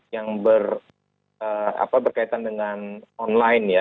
yang berkaitan dengan online ya